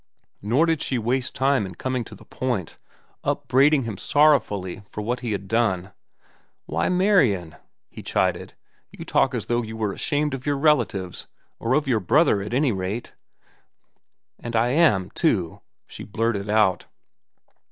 Nor did she waste time in coming to the point, upbraiding him sorrowfully for what he had done. "Why, Marian," he chided, "you talk as though you were ashamed of your relatives, or of your brother at any rate." "And I am, too," she blurted out.